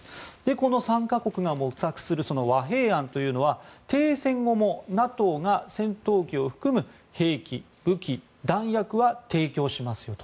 この３か国が模索する和平案というのは停戦後もＮＡＴＯが戦闘機を含む兵器、武器、弾薬は提供しますよと。